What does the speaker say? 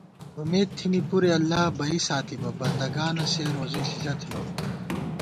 اُمېدتھنی پُرے اللہ بئ ساتِبہ بندہ گانہ سےروزی ݪِݪہ تھنہ